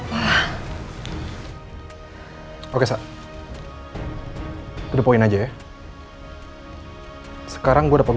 setty kepala lo barn terminology